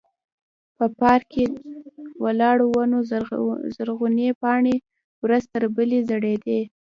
په پارک کې ولاړو ونو زرغونې پاڼې ورځ تر بلې ژړېدې.